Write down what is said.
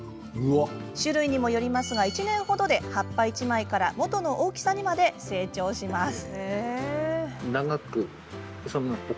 種類にもよりますが１年ほどで、葉っぱ１枚から元の大きさにまで成長します。